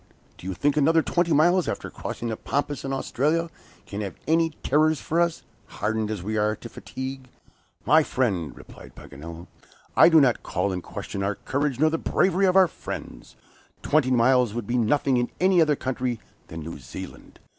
do you think another twenty miles after crossing the Pampas and Australia, can have any terrors for us, hardened as we are to fatigue?" "My friend," replied Paganel, "I do not call in question our courage nor the bravery of our friends. Twenty miles would be nothing in any other country than New Zealand.